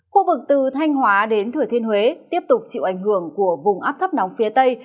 khu vực từ thanh hóa đến thừa thiên huế tiếp tục chịu ảnh hưởng của vùng áp thấp nóng phía tây